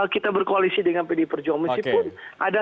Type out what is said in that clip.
kita berkoalisi dengan pd perjomisi pun ada salah satu bupati